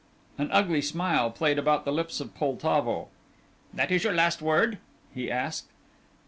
An ugly smile played about the lips of Poltavo. "That is your last word?" he asked.